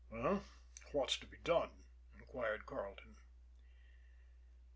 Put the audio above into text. "Well, what's to be done?" inquired Carleton.